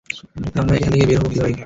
আমরা এখান থেকে বের হবো কিভাবে?